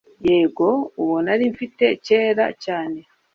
yego! uwo nari mfite kera cyane